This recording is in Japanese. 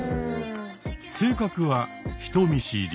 性格は人見知り。